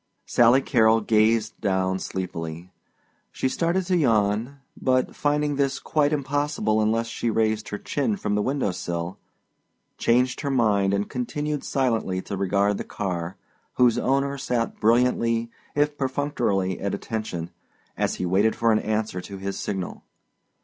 Sally Carrol gazed down sleepily. She started to yawn, but finding this quite impossible unless she raised her chin from the window sill, changed her mind and continued silently to regard the car, whose owner sat brilliantly if perfunctorily at attention as he waited for an answer to his signal.